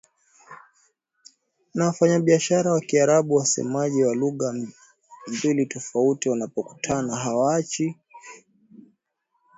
na wafanyabiashara wa Kiarabu Wasemaji wa lugha mbili tofauti wanapokutana hawaachi kuathiriana kilugha